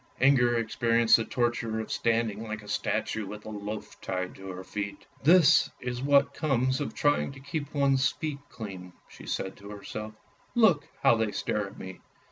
Inger experienced the torture of standing like a statue with a loaf tied to her feet. " This is what comes of trying to keep one's feet clean! " said she to herself. " Look how they stare at me."